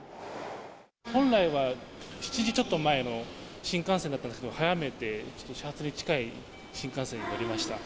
本来は７時ちょっと前の新幹線だったんですけど、早めて、ちょっと始発に近い新幹線に乗りました。